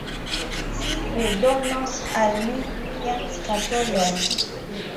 Ci redonos al mi mian skatolon.